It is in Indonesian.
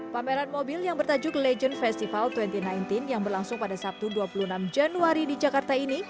pameran mobil yang bertajuk legend festival dua ribu sembilan belas yang berlangsung pada sabtu dua puluh enam januari di jakarta ini